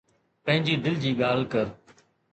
پنهنجي دل جي ڳالهه ڪر.